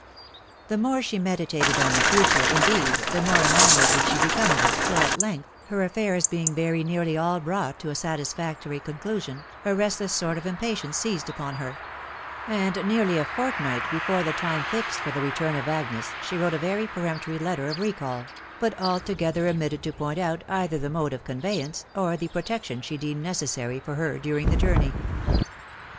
" The more she meditated on the future, indeed, the more enamoured did she become of it, till at length, her affairs being very nearly all brought to a satisfactory conclusion, a restless sort of impatience seized upon her; and nearly a fortnight before the time fixed for the return of Agnes she wrote a very peremptory letter of recall, but altogether omitted to point out either the mode of conveyance or the protection she deemed necessary for her during the journey.